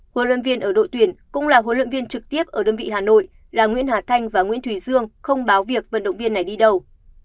huấn luyện viên ở đội tuyển cũng là huấn luyện viên trực tiếp ở đơn vị hà nội là nguyễn hà thanh và nguyễn thủy dương không báo việc vận động viên này đi đầu